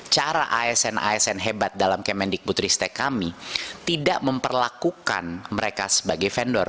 cara asn asn hebat dalam kemendik putristek kami tidak memperlakukan mereka sebagai vendor